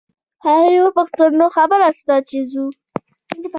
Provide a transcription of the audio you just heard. هغې وپوښتل نو خبره څه ده چې ځو.